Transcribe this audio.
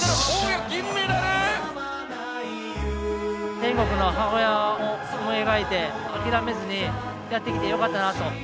天国の母親を思い描いて諦めずにやってきてよかったなと。